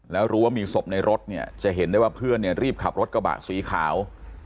แล้วรู้ว่ามีศพในรถเนี่ยจะเห็นได้ว่าเพื่อนเนี่ยรีบขับรถกระบะสีขาว